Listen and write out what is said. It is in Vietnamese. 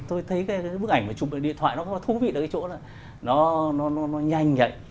tôi thấy cái bức ảnh mà chụp được điện thoại nó có thú vị ở cái chỗ là nó nhanh nhạy